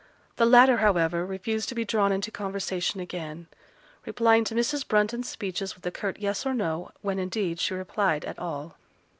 The latter, however, refused to be drawn into conversation again; replying to Mrs. Brunton's speeches with a curt yes or no, when, indeed, she replied at all.